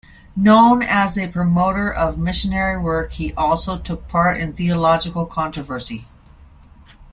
Known as a promoter of missionary work, he also took part in theological controversy.